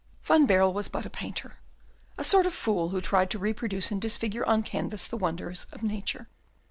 Van Baerle was but a painter, a sort of fool who tried to reproduce and disfigure on canvas the wonders of nature.